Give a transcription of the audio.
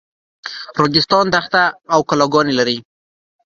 راجستان دښته او کلاګانې لري.